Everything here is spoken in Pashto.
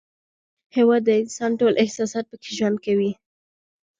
هېواد د انسان ټول احساسات پکې ژوند کوي.